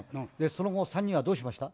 その後３人はどうしました？